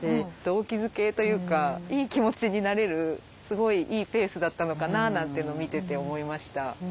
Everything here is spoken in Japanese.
動機づけというかいい気持ちになれるすごいいいペースだったのかななんていうのを見てて思いました。